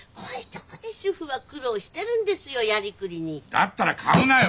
だったら買うなよ